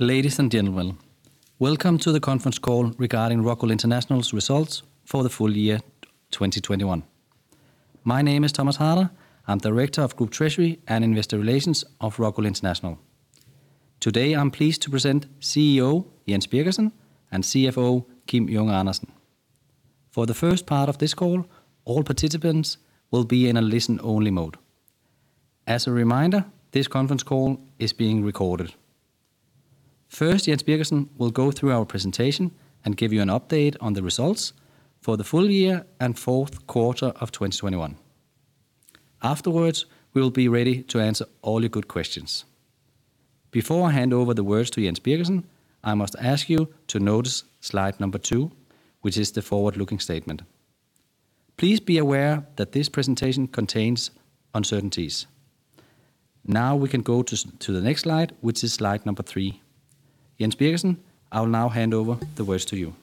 Ladies and gentlemen, welcome to the conference call regarding ROCKWOOL International's results for the full year 2021. My name is Thomas Harder. I'm Director of Group Treasury and Investor Relations of ROCKWOOL International. Today, I'm pleased to present CEO Jens Birgersson and CFO Kim Junge Andersen. For the first part of this call, all participants will be in a listen-only mode. As a reminder, this conference call is being recorded. First, Jens Birgersson will go through our presentation and give you an update on the results for the full year and Q4 of 2021. Afterwards, we will be ready to answer all your good questions. Before I hand over to Jens Birgersson, I must ask you to notice slide number 2, which is the forward-looking statement. Please be aware that this presentation contains uncertainties. Now we can go to the next slide, which is slide number 3. Jens Birgersson, I will now hand over the words to you.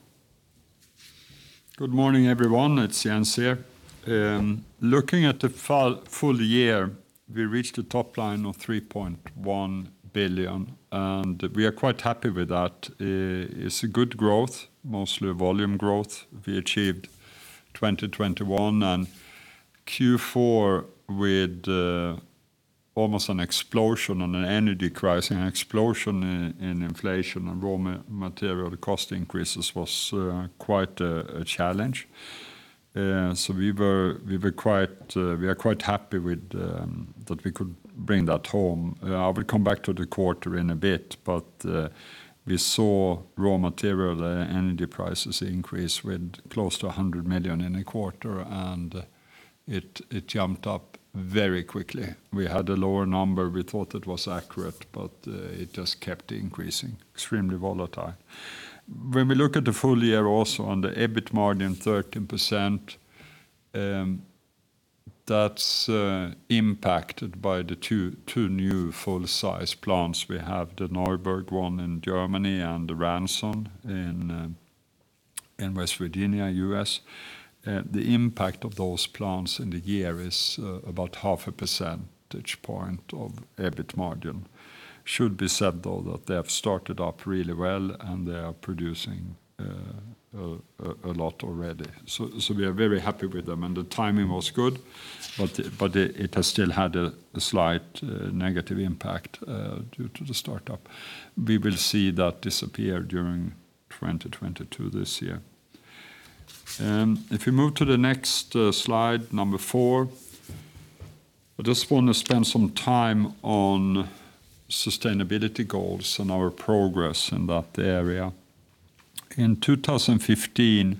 Good morning, everyone. It's Jens here. Looking at the full year, we reached a top line of 3.1 billion, and we are quite happy with that. It's a good growth, mostly volume growth we achieved 2021 and Q4 with almost an explosion in an energy crisis and explosion in inflation and raw material. The cost increases was quite a challenge. We are quite happy with that we could bring that home. I will come back to the quarter in a bit, but we saw raw material, the energy prices increase with close to 100 million in a quarter, and it jumped up very quickly. We had a lower number. We thought it was accurate, but it just kept increasing. Extremely volatile. When we look at the full year also on the EBIT margin 13%, that's impacted by the two new full-size plants. We have the Neuburg one in Germany and the Ranson in West Virginia, U.S. The impact of those plants in the year is about half a percentage point of EBIT margin. Should be said, though, that they have started up really well, and they are producing a lot already. So we are very happy with them, and the timing was good, but it has still had a slight negative impact due to the startup. We will see that disappear during 2022 this year. If you move to the next slide number 4, I just wanna spend some time on sustainability goals and our progress in that area. In 2015,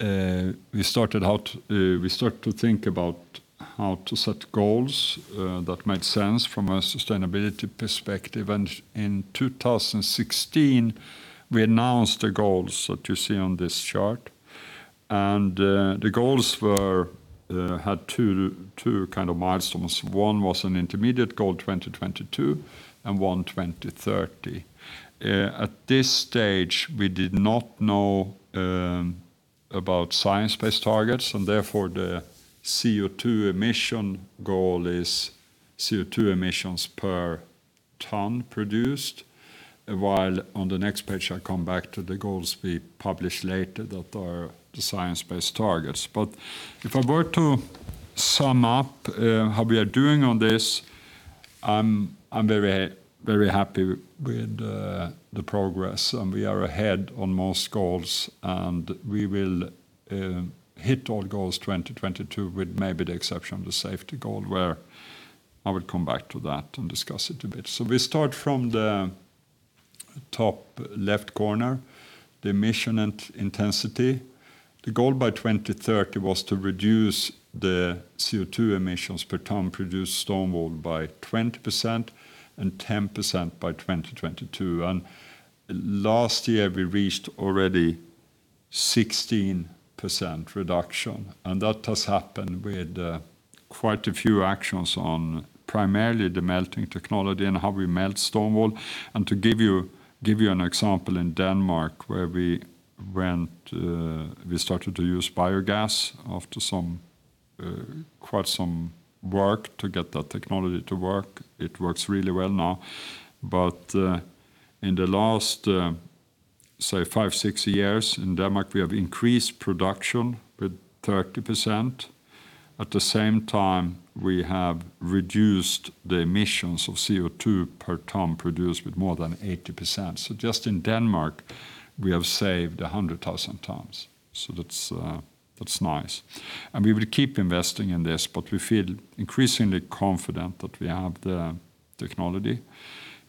we started to think about how to set goals that made sense from a sustainability perspective. In 2016, we announced the goals that you see on this chart. The goals had two kind of milestones. One was an intermediate goal, 2022, and one 2030. At this stage, we did not know about science-based targets, and therefore, the CO2 emission goal is CO2 emissions per ton produced. While on the next page, I come back to the goals we published later that are the science-based targets. If I were to sum up how we are doing on this, I'm very, very happy with the progress, and we are ahead on most goals, and we will hit all goals 2022 with maybe the exception of the safety goal, where I will come back to that and discuss it a bit. We start from the top left corner, the emission intensity. The goal by 2030 was to reduce the CO2 emissions per ton produced stone wool by 20% and 10% by 2022. Last year, we reached already 16% reduction, and that has happened with quite a few actions on primarily the melting technology and how we melt stone wool. To give you an example, in Denmark, where we went, we started to use biogas after quite some work to get that technology to work. It works really well now. In the last say 5-6 years in Denmark, we have increased production with 30%. At the same time, we have reduced the emissions of CO2 per ton produced with more than 80%. Just in Denmark, we have saved 100,000 tons, that's nice. We will keep investing in this, but we feel increasingly confident that we have the technology.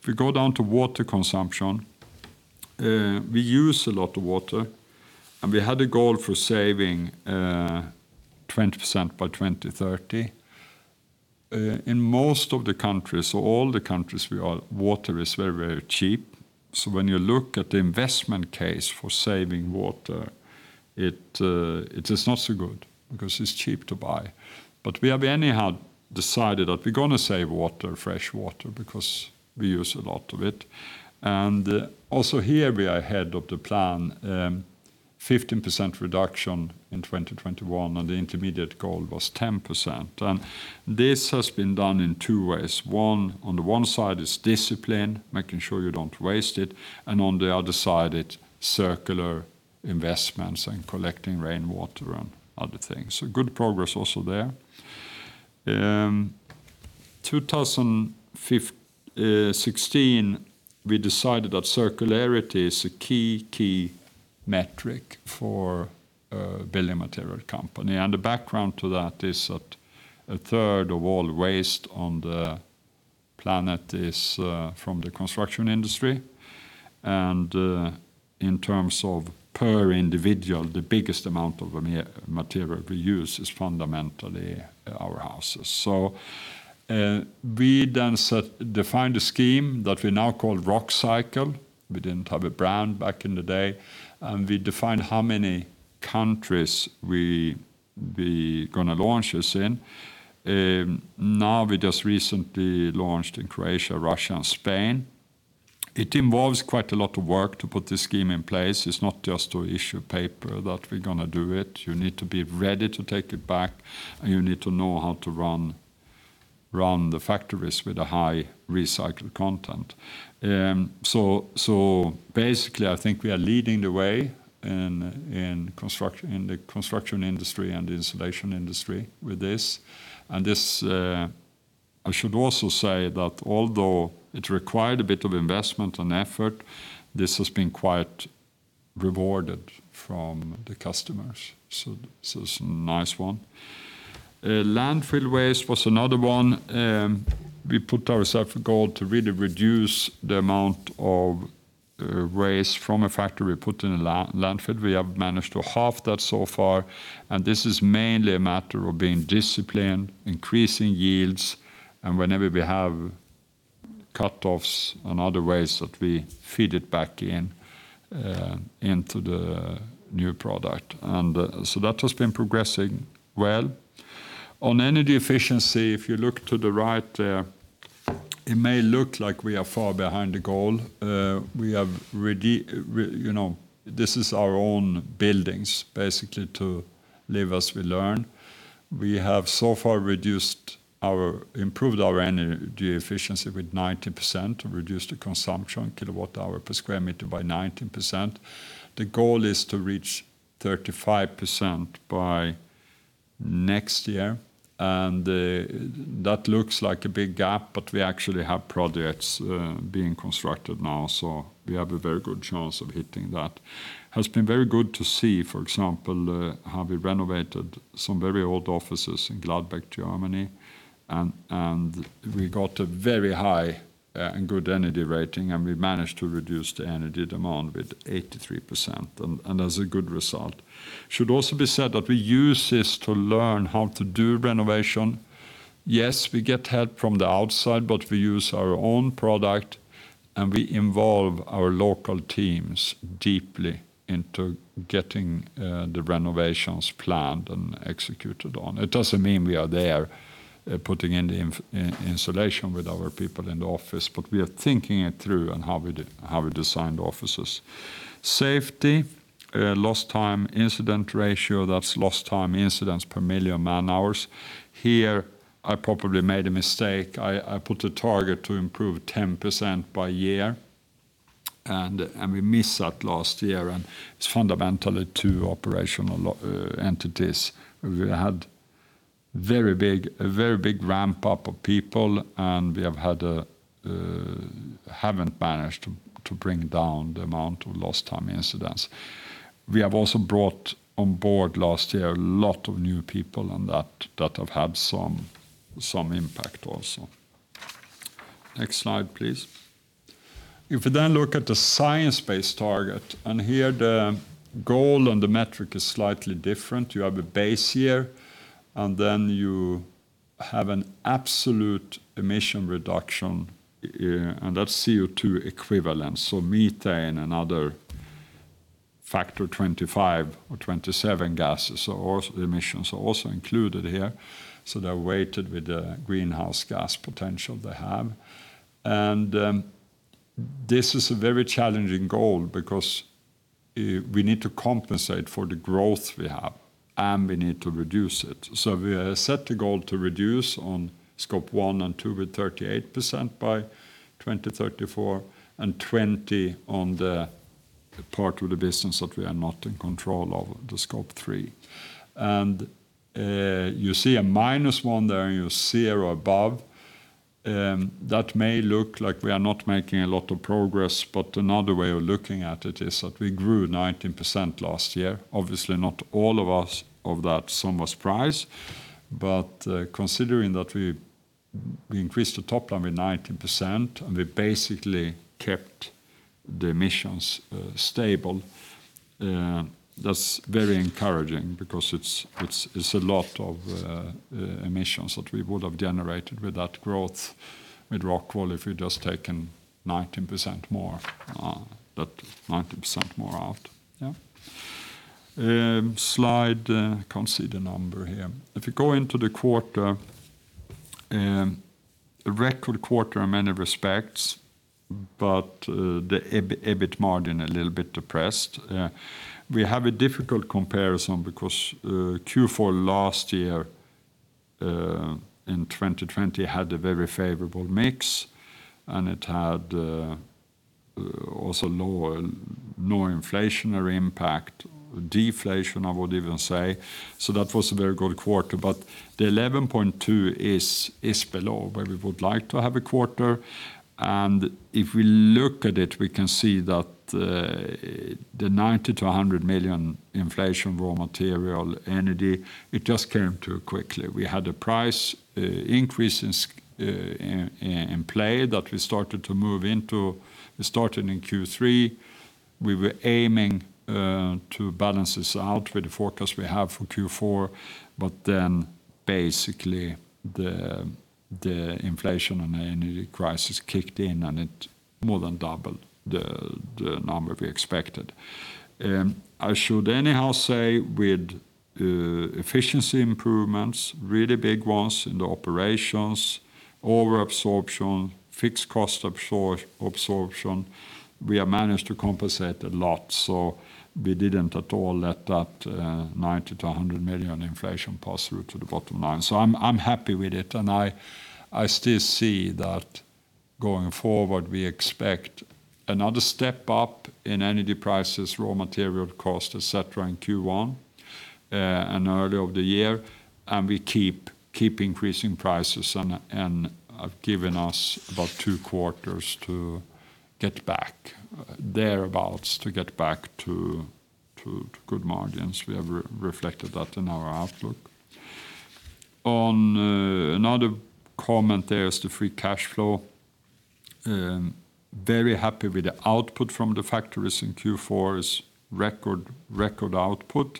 If we go down to water consumption, we use a lot of water, and we had a goal for saving 20% by 2030. In most of the countries or all the countries we are, water is very, very cheap. When you look at the investment case for saving water, it is not so good because it's cheap to buy. We have anyhow decided that we're gonna save water, fresh water, because we use a lot of it. Also here we are ahead of the plan, 15% reduction in 2021, and the intermediate goal was 10%. This has been done in two ways. One, on the one side is discipline, making sure you don't waste it, and on the other side, it's circular investments and collecting rainwater and other things. Good progress also there. 2016, we decided that circularity is a key metric for a building material company. The background to that is that a third of all waste on the planet is from the construction industry, and in terms of per individual, the biggest amount of material we use is fundamentally our houses. We defined a scheme that we now call Rockcycle. We didn't have a brand back in the day, and we defined how many countries we're gonna launch this in. Now we just recently launched in Croatia, Russia, and Spain. It involves quite a lot of work to put this scheme in place. It's not just to issue paper that we're gonna do it. You need to be ready to take it back, and you need to know how to run the factories with a high recycled content. Basically, I think we are leading the way in construction, in the construction industry and the insulation industry with this, and I should also say that although it required a bit of investment and effort, this has been quite rewarding for the customers. This is a nice one. Landfill waste was another one. We put ourselves a goal to really reduce the amount of waste from a factory we put in a landfill. We have managed to halve that so far, and this is mainly a matter of being disciplined, increasing yields, and whenever we have cutoffs and other ways that we feed it back into the new product. That has been progressing well. On energy efficiency, if you look to the right there, it may look like we are far behind the goal. We have this is our own buildings basically to live as we learn. We have so far improved our energy efficiency with 90%, reduced the consumption kilowatt hour per square meter by 19%. The goal is to reach 35% by next year, and that looks like a big gap, but we actually have projects being constructed now, so we have a very good chance of hitting that. It has been very good to see, for example, how we renovated some very old offices in Gladbeck, Germany, and we got a very high and good energy rating, and we managed to reduce the energy demand with 83%, and that's a good result. It should also be said that we use this to learn how to do renovation. Yes, we get help from the outside, but we use our own product, and we involve our local teams deeply into getting the renovations planned and executed on. It doesn't mean we are there putting in the installation with our people in the office, but we are thinking it through on how we design the offices. Safety, lost time incident ratio, that's lost time incidents per million man-hours. Here, I probably made a mistake. I put a target to improve 10% by year, and we missed that last year, and it's fundamentally two operational entities. We had a very big ramp-up of people, and we haven't managed to bring down the amount of lost time incidents. We have also brought on board last year a lot of new people, and that have had some impact also. Next slide, please. If we then look at the science-based target, and here the goal and the metric is slightly different. You have a base here, and then you have an absolute emission reduction, and that's CO₂ equivalent, so methane and other 25 or 27 gases or emissions are also included here, so they're weighted with the greenhouse gas potential they have. This is a very challenging goal because we need to compensate for the growth we have, and we need to reduce it. We have set the goal to reduce on Scope 1 and 2 with 38% by 2034 and 20% on the part of the business that we are not in control of, the Scope 3. You see a -1 there, and you see a 0 above, that may look like we are not making a lot of progress, but another way of looking at it is that we grew 19% last year. Obviously, not all of that sum was price, but considering that we increased the top line by 19%, and we basically kept the emissions stable, that's very encouraging because it's a lot of emissions that we would have generated with that growth with ROCKWOOL if we'd just taken 19% more, that 19% more out. Yeah. Slide, can't see the number here. If you go into the quarter. A record quarter in many respects, but the EBIT margin a little bit depressed. We have a difficult comparison because Q4 last year in 2020 had a very favorable mix, and it had also low inflationary impact, deflation, I would even say. That was a very good quarter. The 11.2 is below where we would like to have a quarter. If we look at it, we can see that the 90 million-100 million inflation raw material energy, it just came too quickly. We had a price increase in place that we started to move into. It started in Q3. We were aiming to balance this out with the forecast we have for Q4, but then basically the inflation and energy crisis kicked in, and it more than doubled the number we expected. I should anyhow say with efficiency improvements, really big ones in the operations, overabsorption, fixed cost absorption, we have managed to compensate a lot, so we didn't at all let that 90 million-100 million inflation pass through to the bottom line. I'm happy with it. I still see that going forward, we expect another step up in energy prices, raw material cost, et cetera, in Q1 and early of the year, and we keep increasing prices and have given us about two quarters to get back thereabouts to get back to good margins. We have reflected that in our outlook. On another comment there is the free cash flow. Very happy with the output from the factories in Q4's record output.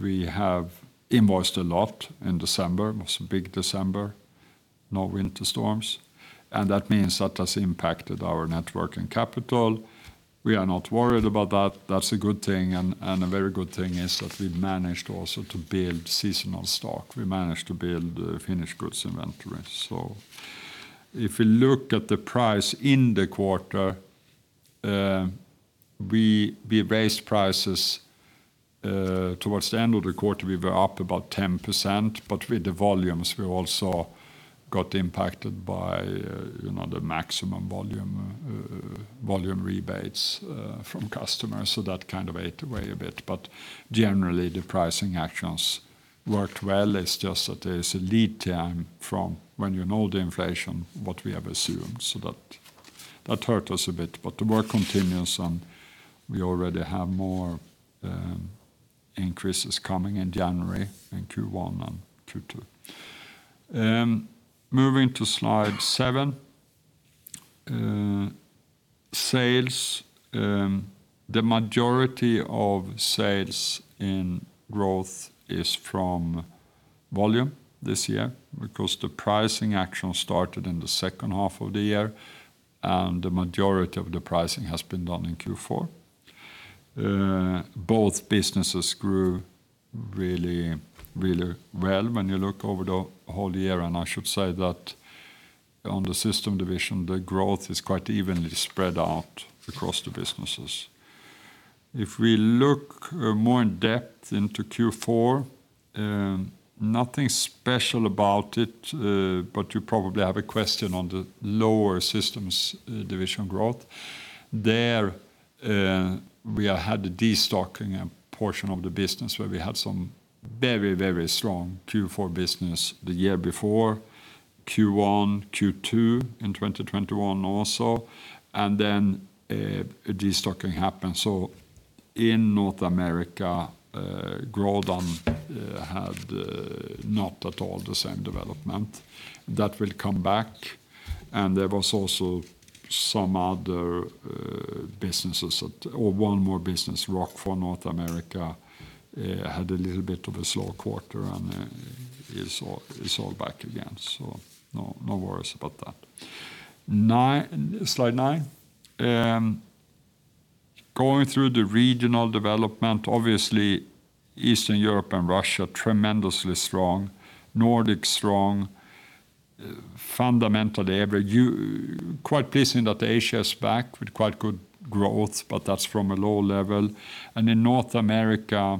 We have invoiced a lot in December. It was a big December, no winter storms, and that means that has impacted our net working capital. We are not worried about that. That's a good thing, and a very good thing is that we managed also to build seasonal stock. We managed to build finished goods inventory. If we look at the price in the quarter, we raised prices towards the end of the quarter, we were up about 10%, but with the volumes, we also got impacted by the maximum volume volume rebates from customers, so that kind of ate away a bit. But generally, the pricing actions worked well. It's just that there's a lead time from when you know the inflation, what we have assumed, so that hurt us a bit. The work continues, and we already have more increases coming in January in Q1 and Q2. Moving to slide 7. Sales, the majority of sales in growth is from volume this year because the pricing action started in the H2 of the year, and the majority of the pricing has been done in Q4. Both businesses grew really, really well when you look over the whole year, and I should say that on the Systems Division, the growth is quite evenly spread out across the businesses. If we look more in depth into Q4, nothing special about it, but you probably have a question on the lower Systems Division growth. There we had the destocking a portion of the business where we had some very, very strong Q4 business the year before, Q1, Q2 in 2021 also, and then destocking happened. In North America, Grodan had not at all the same development. That will come back. There was also some other businesses or one more business, Rockfon North America, had a little bit of a slow quarter and it's all back again. No worries about that. Slide 9. Going through the regional development, obviously Eastern Europe and Russia, tremendously strong. Nordic, strong. Fundamentally quite pleasing that Asia is back with quite good growth, but that's from a low level. In North America,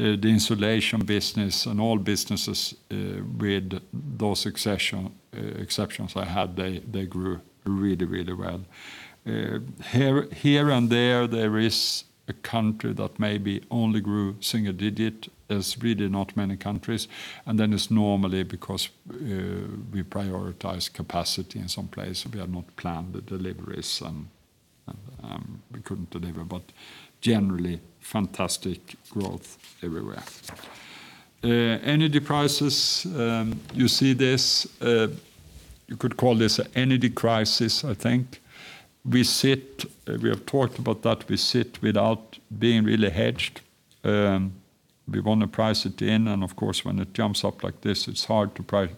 the insulation business and all businesses, with those exceptions I had, they grew really well. Here and there is a country that maybe only grew single-digit. There's really not many countries. It's normally because we prioritize capacity in some places. We have not planned the deliveries and we couldn't deliver, but generally fantastic growth everywhere. Energy prices, you see this, you could call this an energy crisis, I think. We have talked about that. We sit without being really hedged. We want to price it in, and of course, when it jumps up like this, it's hard to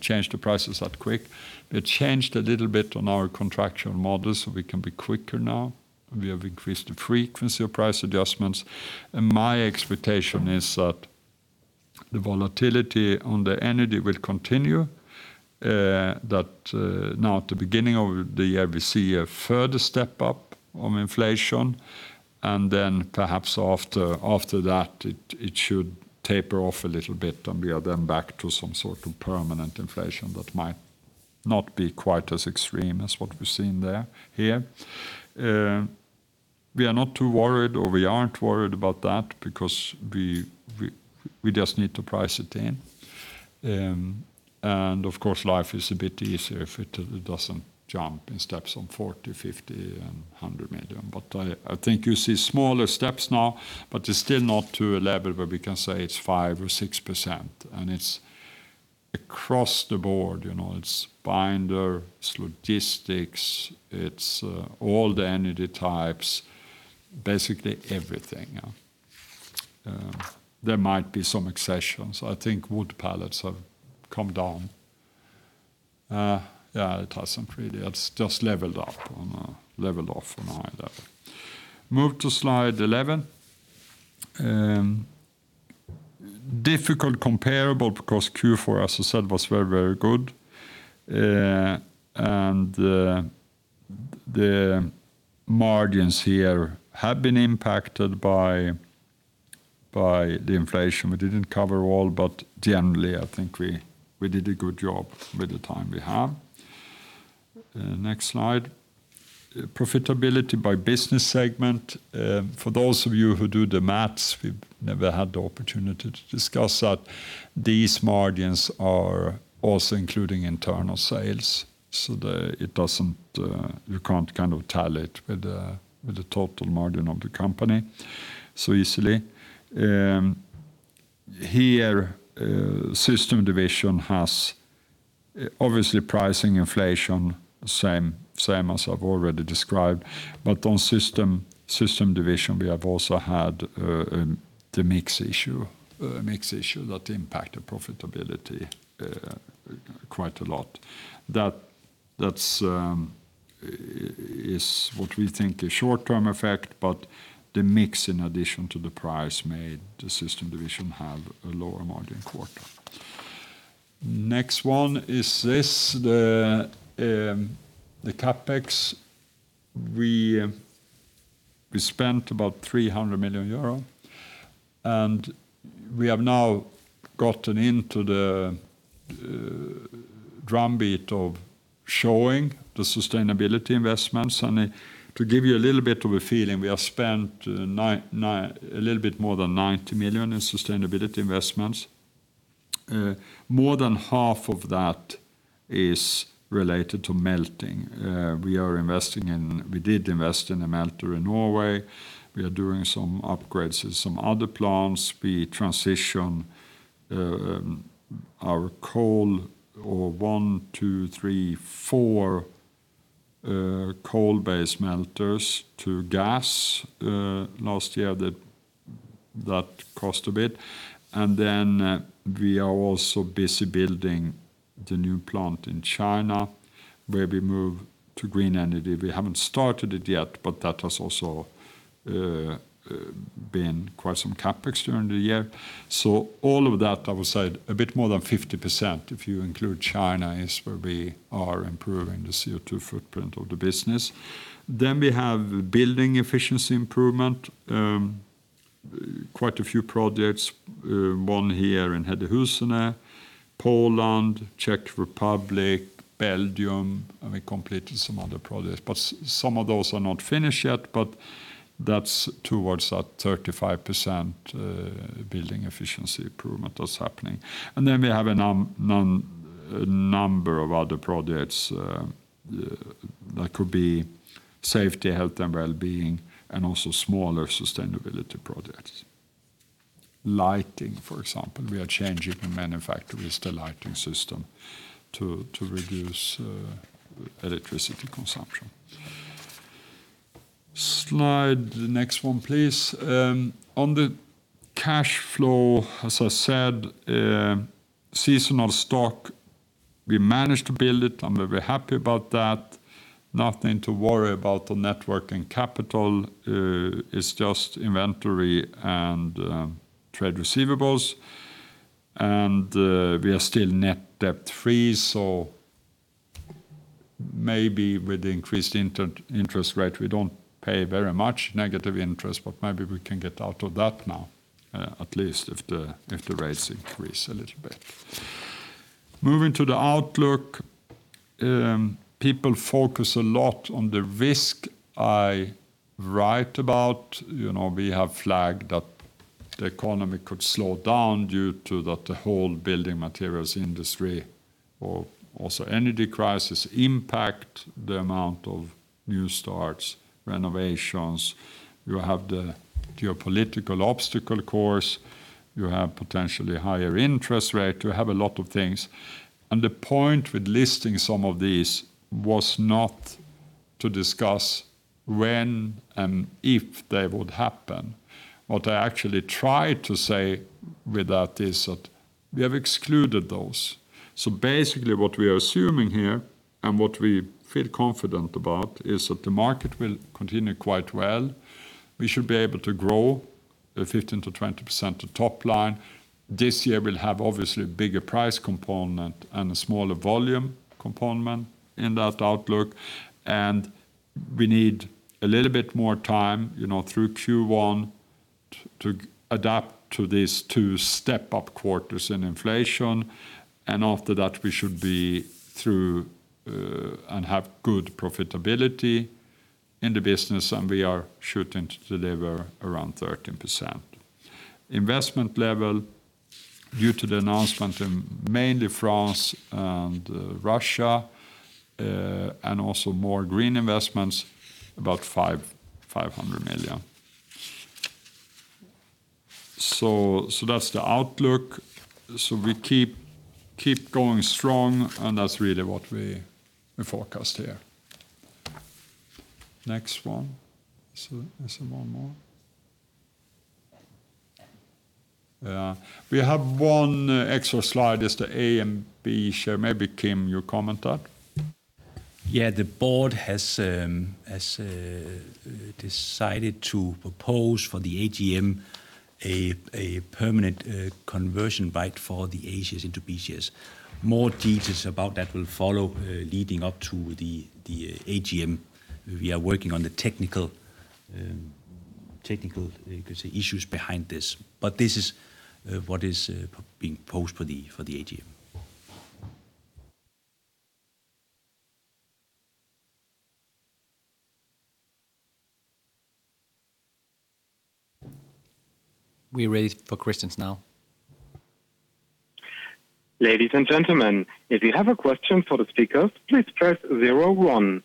change the prices that quick. It changed a little bit on our contractual model, so we can be quicker now. We have increased the frequency of price adjustments, and my expectation is that the volatility on the energy will continue, now at the beginning of the year, we see a further step up on inflation, and then perhaps after that, it should taper off a little bit, and we are then back to some sort of permanent inflation that might not be quite as extreme as what we've seen here. We are not too worried, or we aren't worried about that because we just need to price it in. Of course, life is a bit easier if it doesn't jump in steps on 40 million, 50 million, and 100 million. I think you see smaller steps now, but it's still not to a level where we can say it's 5% or 6%. It's across the board, you know. It's binder, it's logistics, it's all the energy types, basically everything. There might be some exceptions. I think wood pallets have come down. Yeah, it hasn't really. It's just leveled off on a high level. Move to slide 11. Difficult comparable because Q4, as I said, was very, very good. The margins here have been impacted by the inflation. We didn't cover all, but generally, I think we did a good job with the time we have. Next slide. Profitability by business segment. For those of you who do the math, we've never had the opportunity to discuss that these margins are also including internal sales. It doesn't, you can't kind of tally it with the total margin of the company so easily. Here, system division has obviously pricing inflation same as I've already described. But on system division, we have also had the mix issue that impacted profitability quite a lot. That's what we think is a short-term effect, but the mix in addition to the price made the system division have a lower margin quarter. Next one is the CapEx. We spent about 300 million euro, and we have now gotten into the drumbeat of showing the sustainability investments. To give you a little bit of a feeling, we have spent a little bit more than 90 million in sustainability investments. More than half of that is related to melting. We did invest in a melter in Norway. We are doing some upgrades in some other plants. We transition four coal-based melters to gas last year. That cost a bit. We are also busy building the new plant in China, where we move to green energy. We haven't started it yet, but that has also been quite some CapEx during the year. All of that, I would say a little bit more than 50%, if you include China, is where we are improving the CO2 footprint of the business. We have building efficiency improvement, quite a few projects, one here in Hedehusene, Poland, Czech Republic, Belgium, and we completed some other projects. Some of those are not finished yet, but that's towards that 35% building efficiency improvement that's happening. We have a number of other projects that could be safety, health, and well-being, and also smaller sustainability projects. Lighting, for example, we are changing the manufacture with the lighting system to reduce electricity consumption. Slide, the next one, please. On the cash flow, as I said, seasonal stock, we managed to build it. I'm very happy about that. Nothing to worry about the net working capital. It's just inventory and trade receivables. We are still net debt free. Maybe with increased interest rate, we don't pay very much negative interest, but maybe we can get out of that now, at least if the rates increase a little bit. Moving to the outlook, people focus a lot on the risk I write about. You know, we have flagged that the economy could slow down due to the whole building materials industry or also energy crisis impacting the amount of new starts, renovations. You have the geopolitical obstacle course, you have potentially higher interest rate, you have a lot of things. The point with listing some of these was not to discuss when and if they would happen. What I actually tried to say with that is that we have excluded those. Basically what we are assuming here, and what we feel confident about, is that the market will continue quite well. We should be able to grow 15%-20% to top line. This year we'll have obviously a bigger price component and a smaller volume component in that outlook, and we need a little bit more time through Q1 to adapt to these two step-up quarters in inflation. After that we should be through and have good profitability in the business, and we are shooting to deliver around 13%. Investment level due to the announcement in mainly France and Russia and also more green investments, about EUR 500 million. That's the outlook. We keep going strong, and that's really what we forecast here. Next one. Is there one more? Yeah. We have one extra slide is the A and B share. Maybe Kim, you comment that. Yeah. The board has decided to propose for the AGM a permanent conversion right for the As into Bs. More details about that will follow, leading up to the AGM. We are working on the technical, you could say, issues behind this. This is what is being proposed for the AGM. We're ready for questions now. Ladies and gentlemen, if you have a question for the speakers, please press zero one.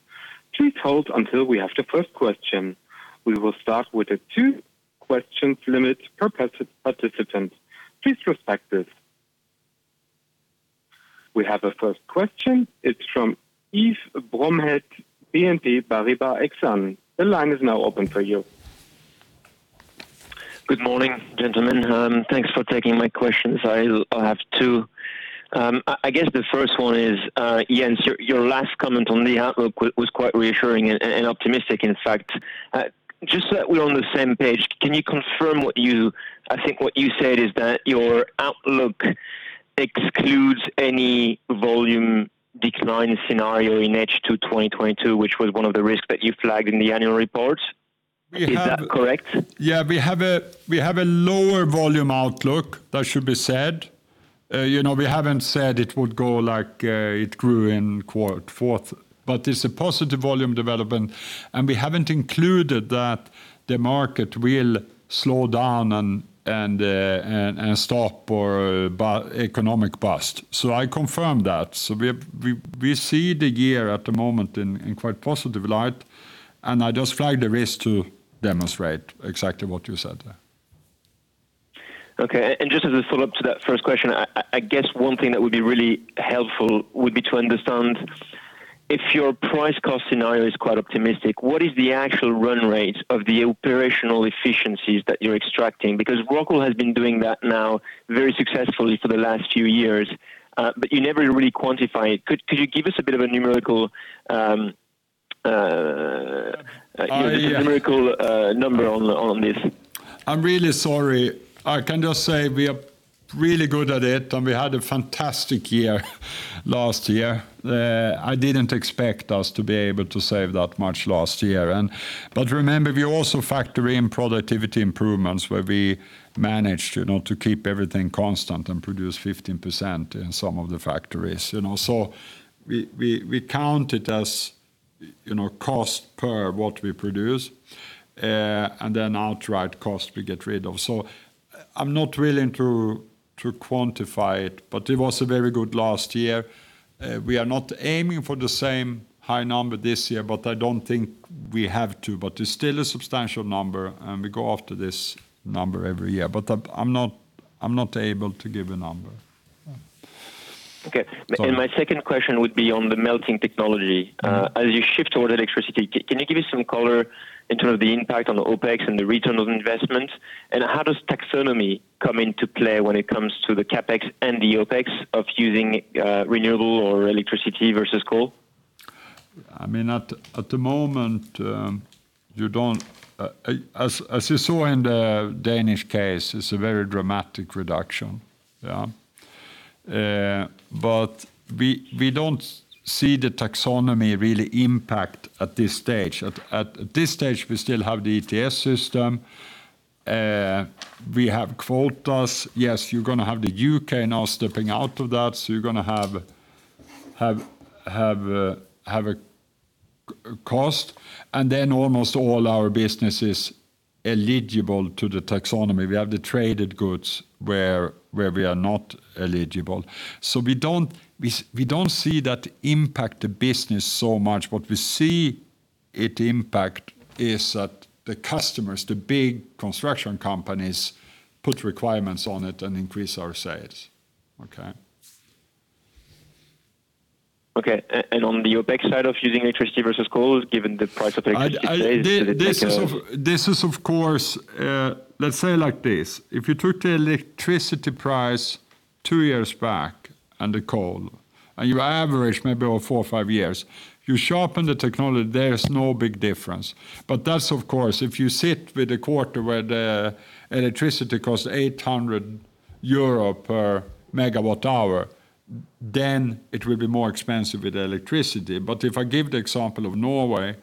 Please hold until we have the first question. We will start with a 2-question limit per participant. Please respect this. We have a first question. It's from Yves Bromehead, Exane BNP Paribas. The line is now open for you. Good morning, gentlemen. Thanks for taking my questions. I'll have two. I guess the first one is, Jens, your last comment on the outlook was quite reassuring and optimistic in fact. Just so that we're on the same page, can you confirm? I think what you said is that your outlook excludes any volume decline scenario in H2 2022, which was one of the risks that you flagged in the annual report. We have- Is that correct? We have a lower volume outlook, that should be said. You know, we haven't said it would go like it grew in Q4. But it's a positive volume development, and we haven't included that the market will slow down and stop or economic bust, so I confirm that. We see the year at the moment in quite positive light, and I just flagged the risk to demonstrate exactly what you said there. Okay. Just as a follow-up to that first question, I guess one thing that would be really helpful would be to understand if your price cost scenario is quite optimistic, what is the actual run rate of the operational efficiencies that you're extracting? Because ROCKWOOL has been doing that now very successfully for the last few years, but you never really quantify it. Could you give us a bit of a numerical Yeah.... numerical, number on this? I'm really sorry. I can just say we are really good at it, and we had a fantastic year last year. I didn't expect us to be able to save that much last year. Remember, we also factor in productivity improvements where we managed to keep everything constant and produce 15% in some of the factories, you know? We count it as cost per what we produce, and then outright cost we get rid of. I'm not willing to quantify it, but it was a very good last year. We are not aiming for the same high number this year, but I don't think we have to. It's still a substantial number, and we go after this number every year. I'm not able to give a number. Okay. Sorry. My second question would be on the melting technology. Mm-hmm. As you shift toward electricity, can you give us some color in terms of the impact on the OpEx and the return of investments? How does taxonomy come into play when it comes to the CapEx and the OpEx of using renewable or electricity versus coal? I mean, at the moment, you don't. As you saw in the Danish case, it's a very dramatic reduction. Yeah. We don't see the Taxonomy really impact at this stage. At this stage we still have the ETS system, we have quotas. Yes, you're gonna have the U.K. now stepping out of that, so you're gonna have a cost. Almost all our business is eligible to the Taxonomy. We have the traded goods where we are not eligible. We don't see that impact the business so much. What we see it impact is that the customers, the big construction companies, put requirements on it and increase our sales. Okay? On the OpEx side of using electricity versus coal, given the price of electricity today, so the second- This is of course, let's say it like this, if you took the electricity price two years back and the coal, and you average maybe over four or five years, you sharpen the technology, there is no big difference. That's of course, if you sit with a quarter where the electricity costs 800 euro per MWh, then it will be more expensive with electricity. If I give the example of Norway,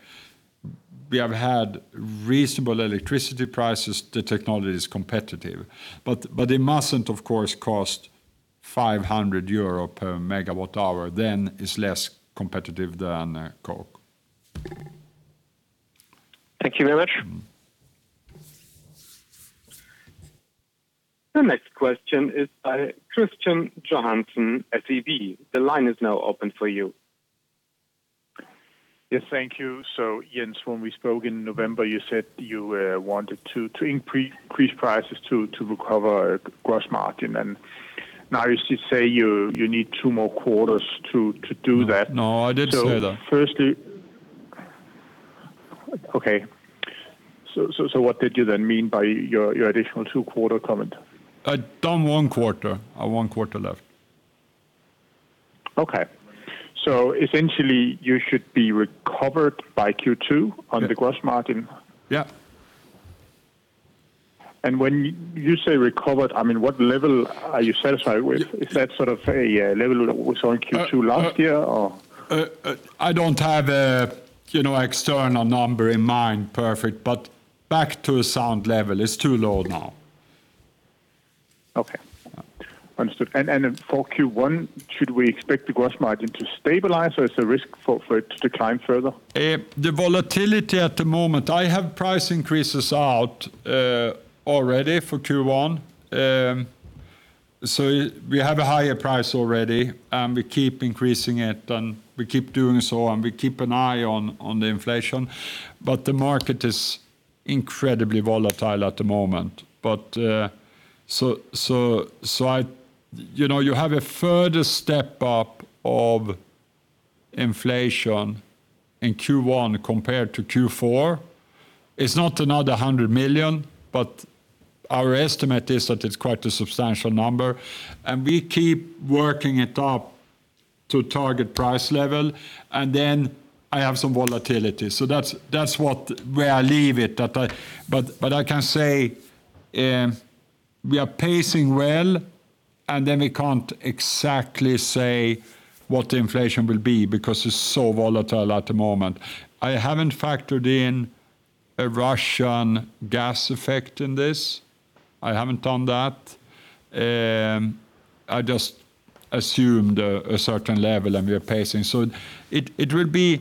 we have had reasonable electricity prices, the technology is competitive. It mustn't of course cost 500 euro per MWh, then it's less competitive than coke. Thank you very much. Mm-hmm. The next question is by Kristian Tornøe Johansen, SEB. The line is now open for you. Yes. Thank you. Jens, when we spoke in November, you said you wanted to increase prices to recover gross margin. Now you say you need two more quarters to do that. No, I didn't say that. What did you then mean by your additional 2-quarter comment? I've done one quarter. I have one quarter left. Okay. Essentially you should be recovered by Q2. Yes on the gross margin? Yeah. When you say recovered, I mean, what level are you satisfied with? Is that sort of a level we saw in Q2 last year or? I don't have a external number in mind perfect, but back to a sound level. It's too low now. Okay. Understood. For Q1, should we expect the gross margin to stabilize, or is there risk for it to decline further? The volatility at the moment, I have price increases out already for Q1. We have a higher price already, and we keep increasing it, and we keep doing so, and we keep an eye on the inflation. The market is incredibly volatile at the moment. You know, you have a further step up of inflation in Q1 compared to Q4. It's not another 100 million, but our estimate is that it's quite a substantial number. We keep working it up to target price level, and then I have some volatility. That's where I leave it. I can say we are pacing well, and then we can't exactly say what the inflation will be because it's so volatile at the moment. I haven't factored in a Russian gas effect in this. I haven't done that. I just assumed a certain level and we are pacing. It will be.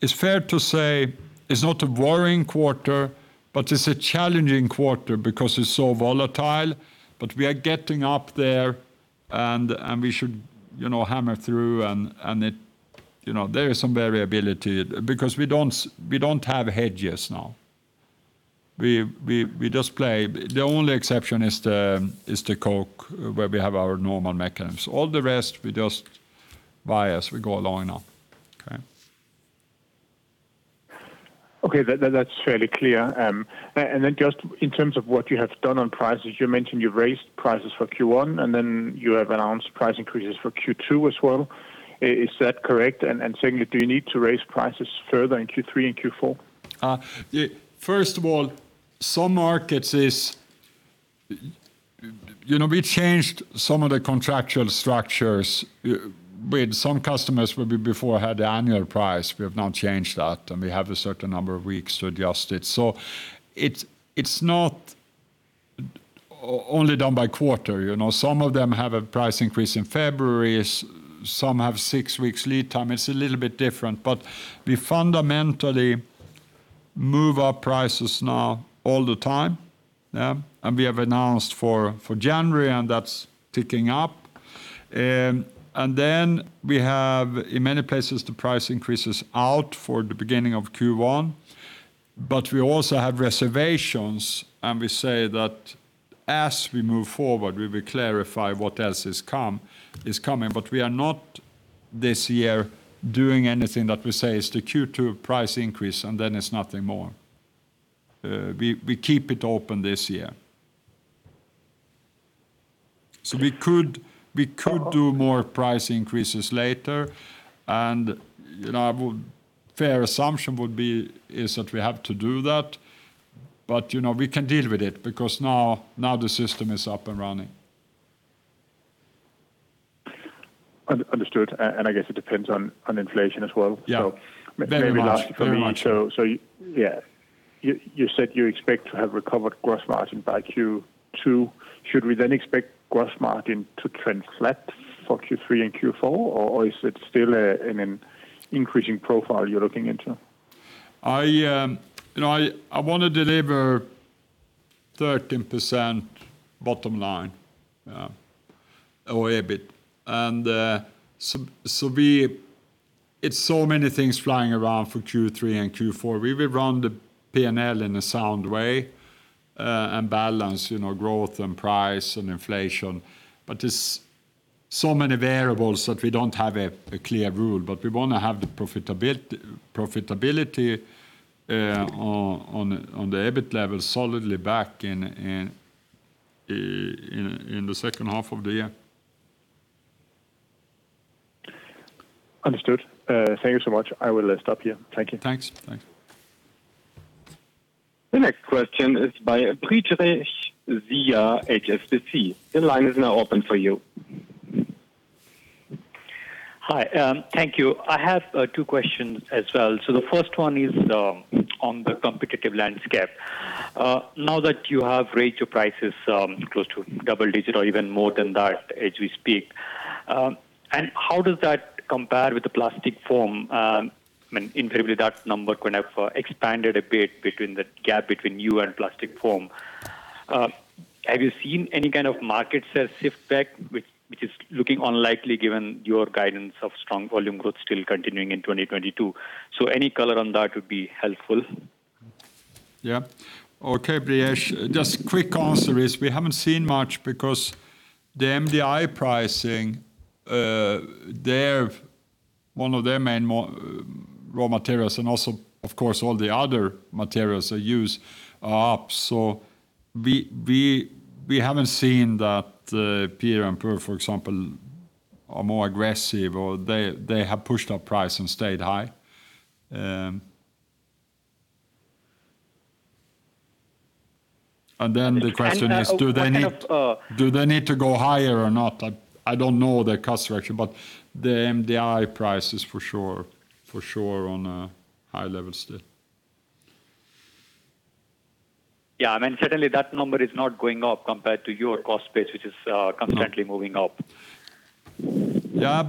It's fair to say it's not a worrying quarter, but it's a challenging quarter because it's so volatile. We are getting up there and we should hammer through and it, you know. There is some variability because we don't have hedges now. We just play. The only exception is the coke where we have our normal mechanisms. All the rest, we just buy as we go along now. Okay? Okay. That's fairly clear. Just in terms of what you have done on prices, you mentioned you raised prices for Q1, and then you have announced price increases for Q2 as well. Is that correct? Secondly, do you need to raise prices further in Q3 and Q4? First of all, some markets is. You know, we changed some of the contractual structures with some customers where we before had the annual price, we have now changed that, and we have a certain number of weeks to adjust it. So it's not only done by quarter. You know, some of them have a price increase in February, some have six weeks lead time. It's a little bit different, but we fundamentally move our prices now all the time. Yeah. We have announced for January, and that's ticking up. We have in many places, the price increases out for the beginning of Q1, but we also have reservations, and we say that as we move forward, we will clarify what else is coming. We are not this year doing anything that we say is the Q2 price increase, and then it's nothing more. We keep it open this year. We could do more price increases later. You know, fair assumption would be is that we have to do that. You know, we can deal with it because now the system is up and running. Understood. I guess it depends on inflation as well. Yeah. So maybe- Very much. Lastly for me. Yeah, you said you expect to have recovered gross margin by Q2. Should we then expect gross margin to trend flat for Q3 and Q4, or is it still an increasing profile you're looking into? I you know wanna deliver 13% bottom line or EBIT. It's so many things flying around for Q3 and Q4. We will run the P&L in a sound way and balance you know growth and price and inflation. It's so many variables that we don't have a clear rule. We wanna have the profitability on the EBIT level solidly back in the H2 of the year. Understood. Thank you so much. I will stop here. Thank you. Thanks. Thanks. The next question is by Pujarini Ghosh via Bernstein. The line is now open for you. Hi, thank you. I have two questions as well. The first one is on the competitive landscape. Now that you have raised your prices close to double digit or even more than that as we speak, and how does that compare with the plastic foam when invariably that number could have expanded a bit between the gap between you and plastic foam? Have you seen any kind of market share shift back, which is looking unlikely given your guidance of strong volume growth still continuing in 2022? Any color on that would be helpful. Yeah. Okay, Pujarini Ghosh. Just quick answer is we haven't seen much because the MDI pricing, one of their main raw materials and also, of course, all the other materials they use are up. We haven't seen that, PIR and PUR, for example, are more aggressive or they have pushed up price and stayed high. The question is, do they need- What kind of Do they need to go higher or not? I don't know their cost structure, but the MDI price is for sure on a high level still. Yeah. I mean, certainly that number is not going up compared to your cost base, which is constantly moving up. Yeah.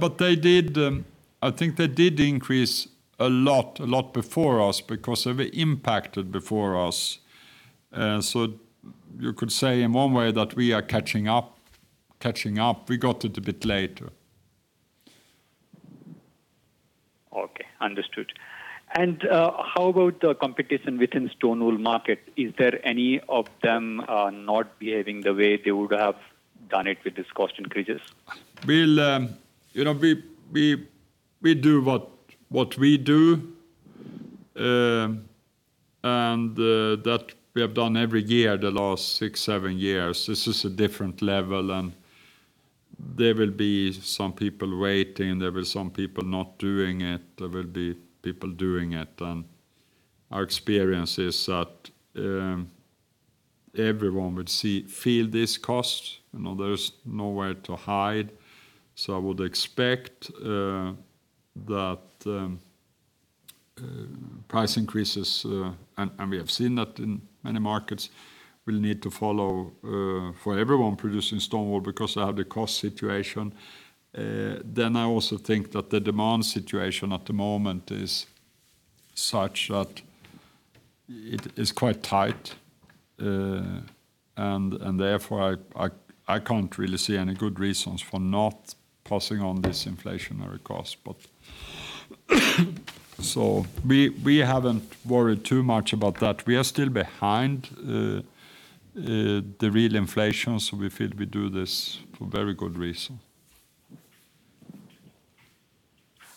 I think they did increase a lot before us because they were impacted before us. You could say in one way that we are catching up. We got it a bit later. Okay. Understood. How about the competition within stone wool market? Is there any of them not behaving the way they would have done it with this cost increases? well we do what we do, and that we have done every year, the last six, seven years. This is a different level, and there will be some people waiting, there will be some people not doing it, there will be people doing it. Our experience is that everyone would feel this cost. You know, there's nowhere to hide. I would expect that price increases, and we have seen that in many markets, will need to follow for everyone producing stone wool because they have the cost situation. I also think that the demand situation at the moment is such that it is quite tight. Therefore, I can't really see any good reasons for not passing on this inflationary cost. We haven't worried too much about that. We are still behind the real inflation, so we feel we do this for very good reason.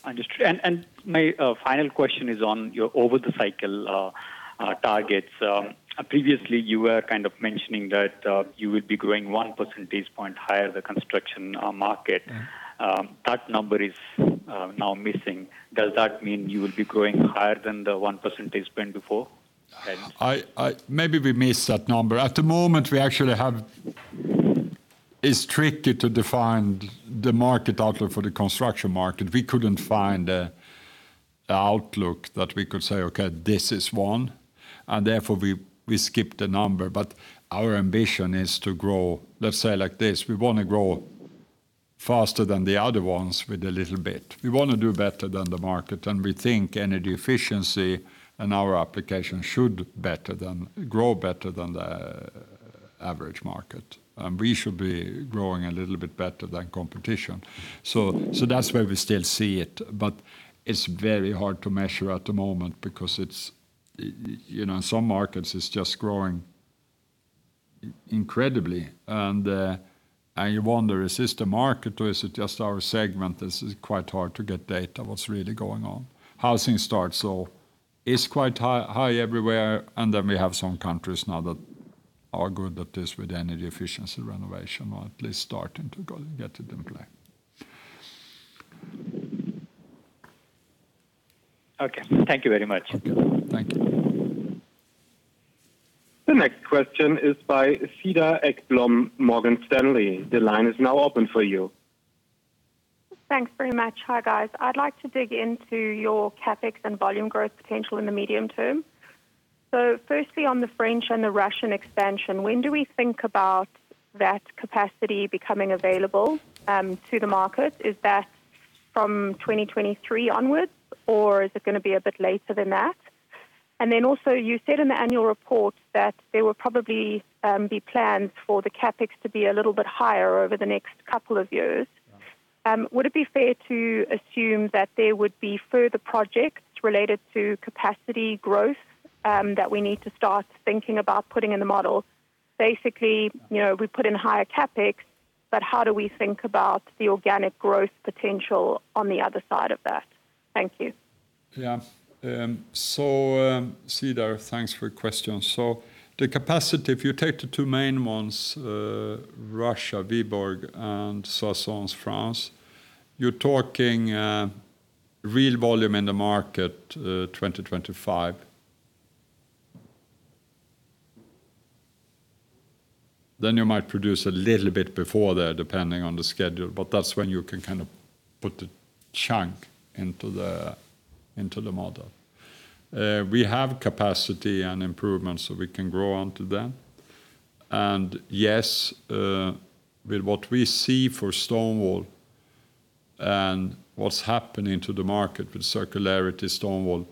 Understood. My final question is on your over the cycle targets. Previously, you were kind of mentioning that you would be growing 1 percentage point higher than the construction market. Mm-hmm. That number is now missing. Does that mean you will be growing higher than the 1 percentage point before? Maybe we missed that number. At the moment, we actually have. It's tricky to define the market outlook for the construction market. We couldn't find an outlook that we could say, "Okay, this is one." Therefore we skipped the number. Our ambition is to grow, let's say like this, we wanna grow faster than the other ones with a little bit. We wanna do better than the market, and we think energy efficiency and our application should grow better than the average market. We should be growing a little bit better than competition. So that's where we still see it, but it's very hard to measure at the moment because it's in some markets, it's just growing incredibly. You wonder, is this the market or is it just our segment? This is quite hard to get data on what's really going on. Housing starts, so it's quite high everywhere. Then we have some countries now that are good at this with energy efficiency renovation or at least starting to go get it in play. Okay. Thank you very much. Okay. Thank you. The next question is by Cedar Ekblom, Morgan Stanley. The line is now open for you. Thanks very much. Hi, guys. I'd like to dig into your CapEx and volume growth potential in the medium term. Firstly, on the French and the Russian expansion, when do we think about that capacity becoming available to the market? Is that from 2023 onwards or is it gonna be a bit later than that? Also you said in the annual report that there will probably be plans for the CapEx to be a little bit higher over the next couple of years. Would it be fair to assume that there would be further projects related to capacity growth that we need to start thinking about putting in the model? basically we put in higher CapEx, but how do we think about the organic growth potential on the other side of that? Thank you. Yeah. Cedar, thanks for your question. The capacity, if you take the two main ones, Russia, Vyborg, and Soissons, France, you're talking real volume in the market, 2025. You might produce a little bit before that depending on the schedule, but that's when you can kind of put the chunk into the model. We have capacity and improvements, so we can grow onto them. Yes, with what we see for stone wool and what's happening to the market with circularity stone wool,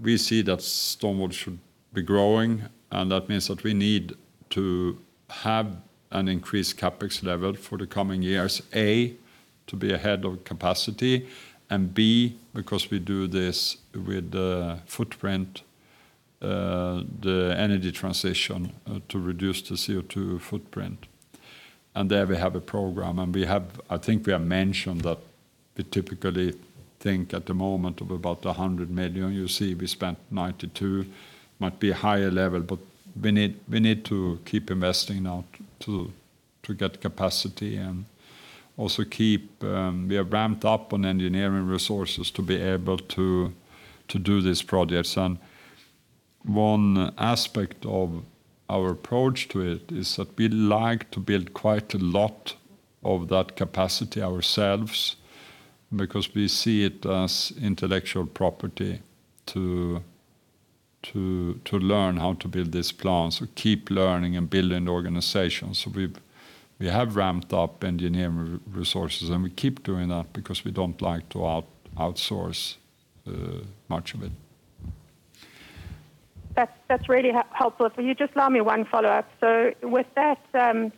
we see that stone wool should be growing, and that means that we need to have an increased CapEx level for the coming years, A, to be ahead of capacity, and B, because we do this with the footprint, the energy transition, to reduce the CO2 footprint. There we have a program, and we have. I think we have mentioned that we typically think at the moment of about 100 million. You see we spent 92 million. Might be a higher level, but we need to keep investing now to get capacity and also keep. We have ramped up on engineering resources to be able to do these projects. One aspect of our approach to it is that we like to build quite a lot of that capacity ourselves because we see it as intellectual property to learn how to build these plants or keep learning and building the organization. We have ramped up engineering resources, and we keep doing that because we don't like to outsource much of it. That's really helpful. Will you just allow me one follow-up? With that,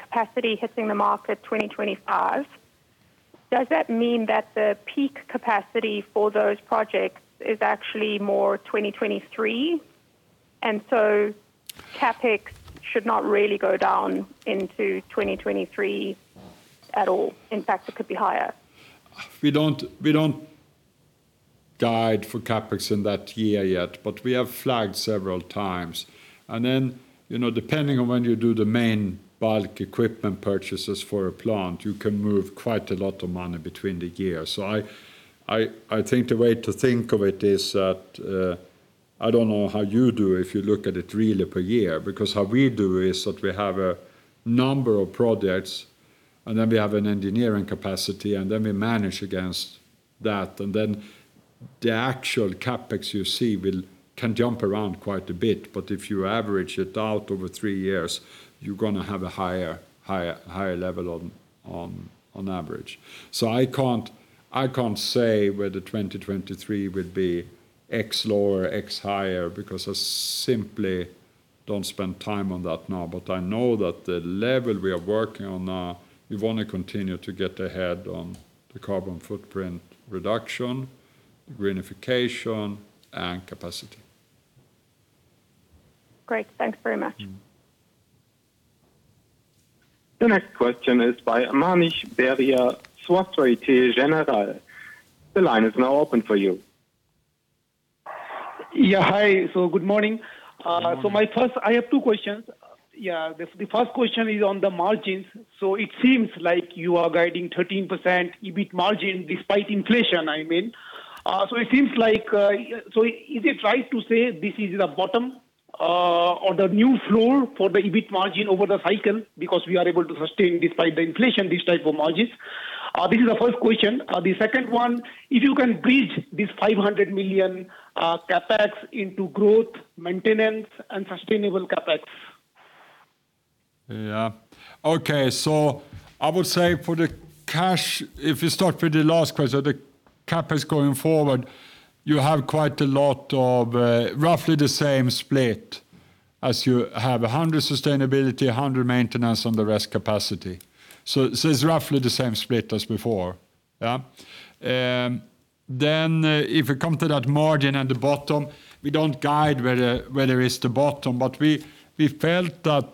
capacity hitting the market 2025, does that mean that the peak capacity for those projects is actually in 2023, and so CapEx should not really go down into 2023 at all? In fact, it could be higher. We don't guide for CapEx in that year yet, but we have flagged several times. You know, depending on when you do the main bulk equipment purchases for a plant, you can move quite a lot of money between the years. I think the way to think of it is that I don't know how you do if you look at it really per year, because how we do is that we have a number of projects, and then we have an engineering capacity, and then we manage against that. The actual CapEx you see can jump around quite a bit. If you average it out over three years, you're gonna have a higher level on average. I can't say whether 2023 would be X lower, X higher, because I simply don't spend time on that now. I know that the level we are working on now, we wanna continue to get ahead on the carbon footprint reduction, greenification, and capacity. Great. Thanks very much. Mm-hmm. The next question is by Manish Dahiya, Macquarie. The line is now open for you. Good morning. I have two questions. The first question is on the margins. It seems like you are guiding 13% EBIT margin despite inflation, I mean. It seems like, is it right to say this is the bottom or the new floor for the EBIT margin over the cycle because we are able to sustain despite the inflation, these type of margins? This is the first question. The second one, if you can bridge this 500 million CapEx into growth, maintenance, and sustainable CapEx. I would say for the cash, if you start with the last question, the CapEx going forward, you have quite a lot of, roughly the same split as you have 100 sustainability, 100 maintenance, and the rest capacity. It's roughly the same split as before. If it come to that margin at the bottom, we don't guide where there is the bottom. We felt that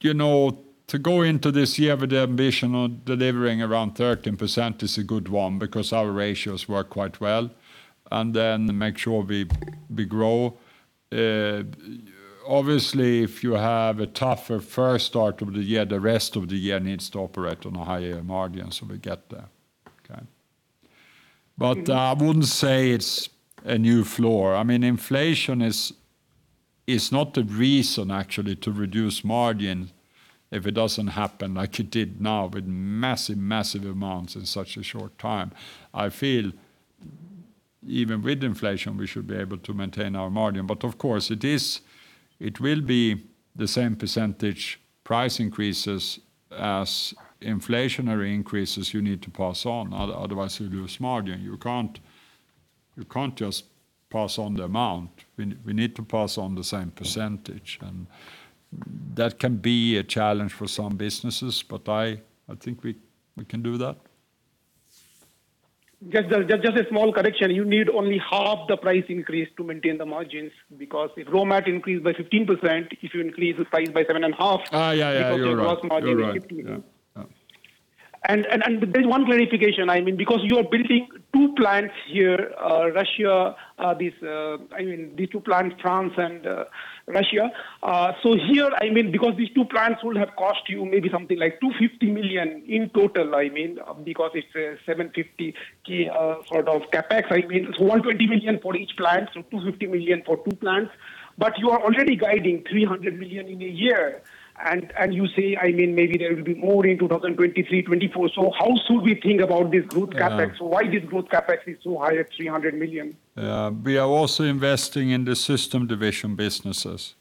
to go into this year with the ambition on delivering around 13% is a good one because our ratios work quite well, and then make sure we grow. Obviously, if you have a tougher first start of the year, the rest of the year needs to operate on a higher margin, so we get there. I wouldn't say it's a new floor. I mean, inflation is not the reason actually to reduce margin if it doesn't happen like it did now with massive amounts in such a short time. I feel even with inflation we should be able to maintain our margin. Of course it will be the same percentage price increases as inflationary increases you need to pass on, otherwise you lose margin. You can't just pass on the amount. We need to pass on the same percentage, and that can be a challenge for some businesses, but I think we can do that. Just a small correction. You need only half the price increase to maintain the margins because if raw mat increased by 15%, if you increase the price by 7.5- Yeah. You're right. Because your gross margin is 15%. You're right. Yeah. Yeah. There's one clarification. I mean, because you are building two plants, France and Russia. I mean, these two plants will have cost you maybe something like 250 million in total. I mean, so 120 million for each plant, so 250 million for two plants. You are already guiding 300 million in a year, and you say, I mean, maybe there will be more in 2023, 2024. How should we think about this growth CapEx? Yeah. Why is this growth CapEx so high at 300 million? We are also investing in the system division businesses.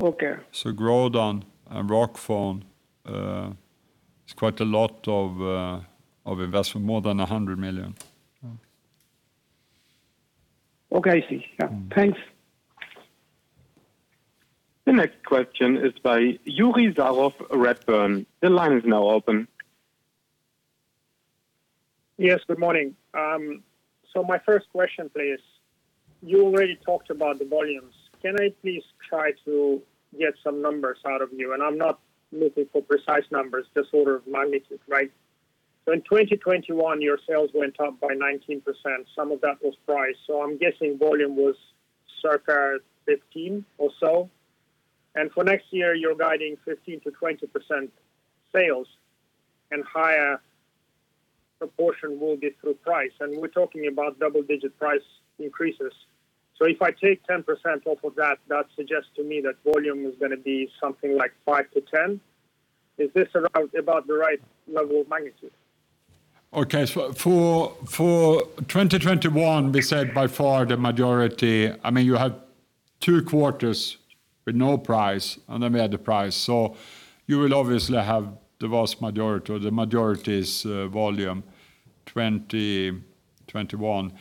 Okay. Grodan and Rockfon, it's quite a lot of investment, more than 100 million. Yeah. Okay, I see. Yeah. Thanks. The next question is by Yuri Serov from Redburn. The line is now open. Yes, good morning. My first question please, you already talked about the volumes. Can I please try to get some numbers out of you? I'm not looking for precise numbers, just order of magnitude, right? In 2021, your sales went up by 19%, some of that was price. I'm guessing volume was circa 15% or so. For next year, you're guiding 15%-20% sales, and higher proportion will be through price. We're talking about double-digit price increases. If I take 10% off of that suggests to me that volume is gonna be something like 5%-10%. Is this around about the right level of magnitude? For 2021, we said by far the majority. I mean, you had two quarters with no price, and then we had the price. You will obviously have the vast majority or the majority's volume 2021.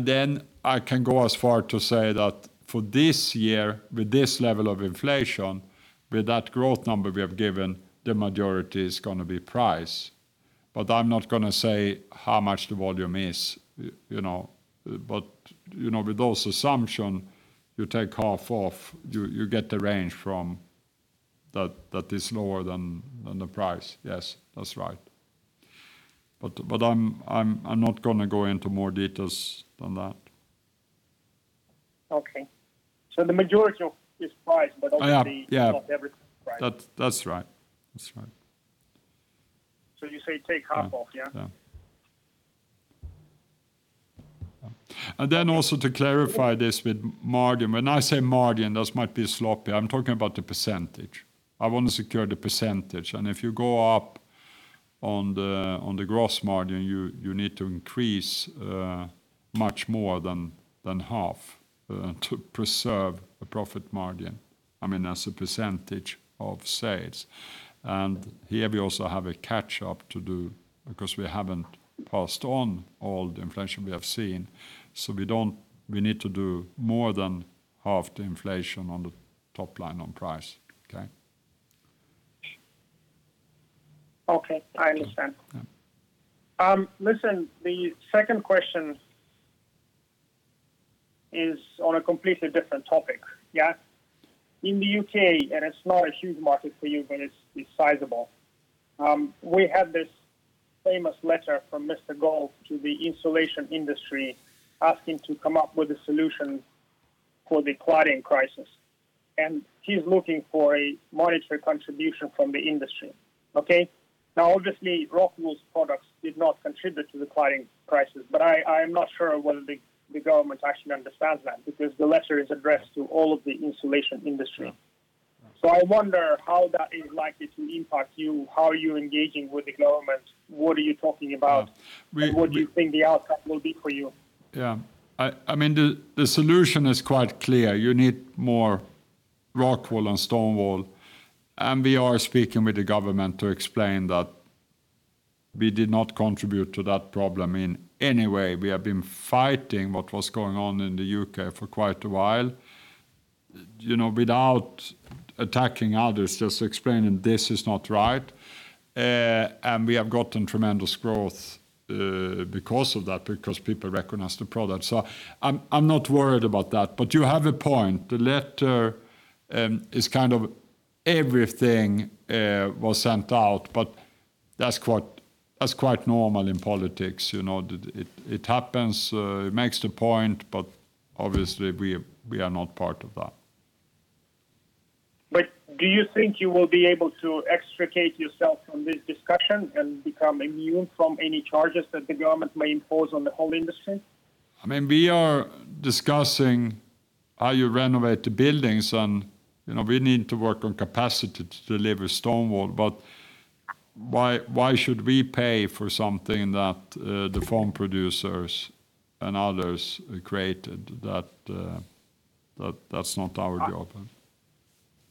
Then I can go as far to say that for this year, with this level of inflation, with that growth number we have given, the majority is gonna be price. I'm not gonna say how much the volume is, you know. You know, with those assumptions, you take half off, you get the range from that that is lower than the price. Yes, that's right. I'm not gonna go into more details than that. Okay. The majority of it is price, but obviously. Yeah. Not everything is price. That's right. You say take half off, yeah? Yeah. Yeah. To clarify this with margin. When I say margin, this might be sloppy. I'm talking about the percentage. I want to secure the percentage. If you go up on the gross margin, you need to increase much more than half to preserve the profit margin, I mean, as a percentage of sales. Here we also have a catch up to do because we haven't passed on all the inflation we have seen. We need to do more than half the inflation on the top line on price. Okay? Okay, I understand. Yeah. Listen, the second question is on a completely different topic. Yeah? In the U.K., and it's not a huge market for you, but it's sizable, we had this famous letter from Mr. Gove to the insulation industry asking to come up with a solution for the cladding crisis, and he's looking for a monetary contribution from the industry. Okay? Now, obviously, ROCKWOOL's products did not contribute to the cladding crisis, but I am not sure whether the government actually understands that because the letter is addressed to all of the insulation industry. Yeah. I wonder how that is likely to impact you. How are you engaging with the government? What are you talking about? We- What do you think the outcome will be for you? Yeah. I mean, the solution is quite clear. You need more ROCKWOOL and stone wool, and we are speaking with the government to explain that we did not contribute to that problem in any way. We have been fighting what was going on in the U.K. for quite a while without attacking others, just explaining this is not right. We have gotten tremendous growth because of that, because people recognize the product. I'm not worried about that. You have a point. The letter is kind of everything was sent out, but that's quite normal in politics. You know, it happens. It makes the point, but obviously we are not part of that. Do you think you will be able to extricate yourself from this discussion and become immune from any charges that the government may impose on the whole industry? I mean, we are discussing how you renovate the buildings and we need to work on capacity to deliver stone wool. Why should we pay for something that the foam producers and others created? That, that's not our job.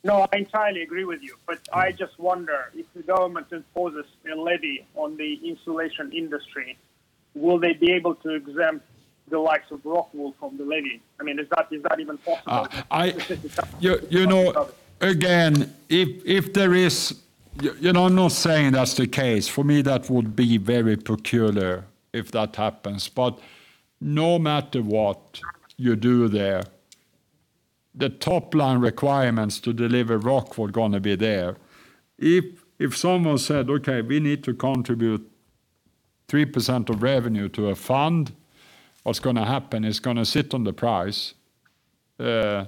No, I entirely agree with you, but I just wonder if the government imposes a levy on the insulation industry, will they be able to exempt the likes of ROCKWOOL from the levy? I mean, is that, is that even possible? You know, I'm not saying that's the case. For me, that would be very peculiar if that happens. No matter what you do there, the top line requirements to deliver Rockwool are gonna be there. If someone said, "Okay, we need to contribute 3% of revenue to a fund," what's gonna happen, it's gonna sit on the price, and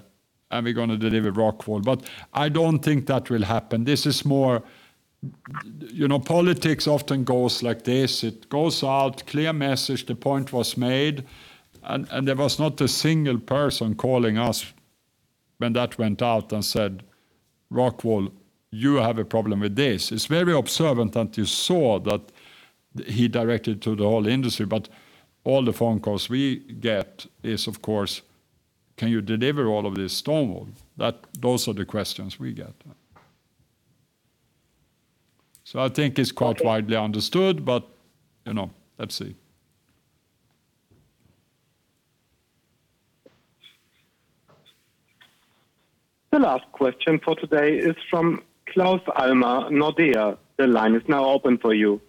we're gonna deliver Rockwool, but I don't think that will happen. This is more. You know, politics often goes like this. It goes out, clear message, the point was made, and there was not a single person calling us when that went out and said, "ROCKWOOL, you have a problem with this." It's very observant that you saw that he directed to the whole industry, but all the phone calls we get is, of course, "Can you deliver all of this stone wool?" Those are the questions we get. I think it's quite widely understood, but let's see. The last question for today is from Claus Almer, Nordea. The line is now open for you.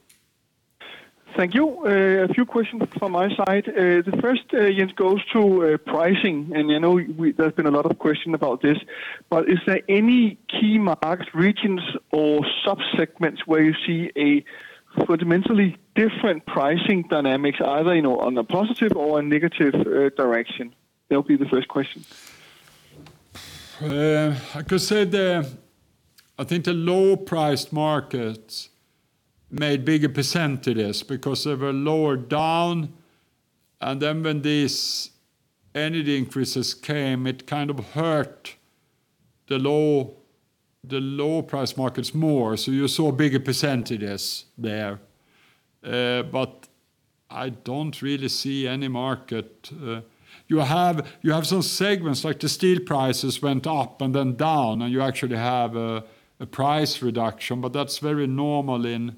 Thank you. A few questions from my side. The first, Jens, goes to pricing, and I know there's been a lot of questions about this, but is there any key markets, regions or sub-segments where you see a fundamentally different pricing dynamics either on a positive or a negative direction? That'll be the first question. I think the low priced markets made bigger percentages because they were lower down, and then when these energy increases came, it kind of hurt the low price markets more, so you saw bigger percentages there. I don't really see any market. You have some segments like the steel prices went up and then down, and you actually have a price reduction, but that's very normal in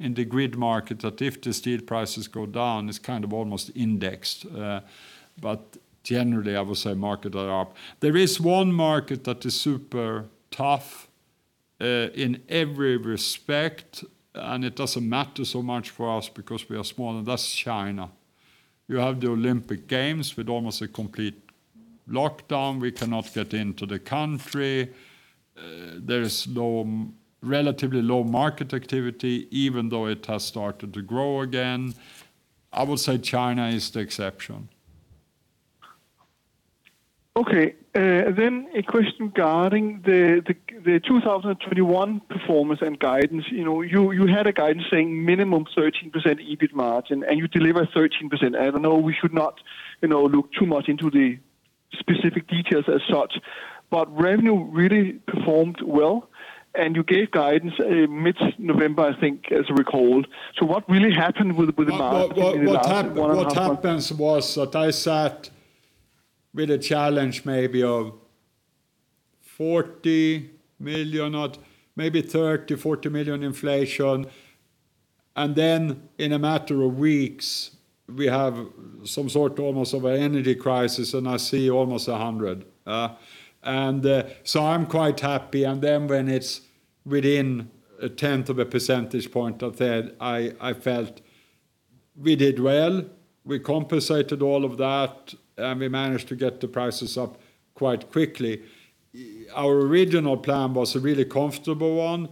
the grid market that if the steel prices go down, it's kind of almost indexed. I would say markets are up. There is one market that is super tough in every respect, and it doesn't matter so much for us because we are small, and that's China. You have the Olympic Games with almost a complete lockdown. We cannot get into the country. There is low, relatively low market activity even though it has started to grow again. I would say China is the exception. Okay. A question regarding the 2021 performance and guidance. You know, you had a guidance saying minimum 13% EBIT margin, and you deliver 13%. I know we should not look too much into the specific details as such, but revenue really performed well, and you gave guidance mid-November, I think, as recalled. What really happened with the margin in the last one and a half months? What happened was that I sat with a challenge maybe of 40 million, or maybe 30-40 million inflation, and then in a matter of weeks we have some sort almost of an energy crisis, and I see almost 100. I'm quite happy, and then when it's within 0.1 percentage point of that, I felt we did well. We compensated all of that, and we managed to get the prices up quite quickly. Our original plan was a really comfortable one,